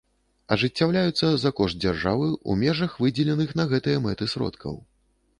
Ажыццяўляюцца за кошт дзяржавы ў межах выдзеленых на гэтыя мэты сродкаў.